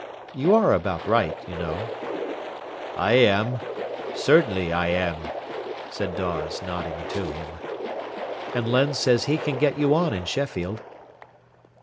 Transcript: "You are about right, you know." "I am, certainly I am," said Dawes, nodding to him. "And Len says he can get you on in Sheffield."